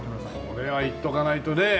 これはいっとかないとね。